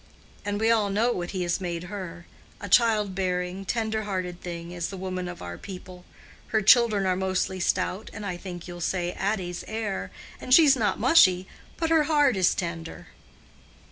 And we all know what He has made her—a child bearing, tender hearted thing is the woman of our people. Her children are mostly stout, as I think you'll say Addy's are, and she's not mushy, but her heart is tender.